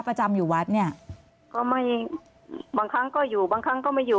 ประจำอยู่วัดเนี่ยก็ไม่บางครั้งก็อยู่บางครั้งก็ไม่อยู่